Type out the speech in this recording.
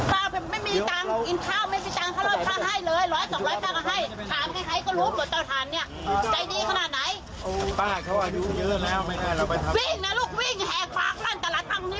พี่อาทิตย์ก็ไม่ทันเค้าบอกมันเรี่ยวตรงนี้